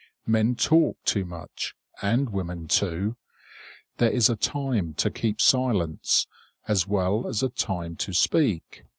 Men talk too much and women too. There is a time to keep silence, as well as a time to speak.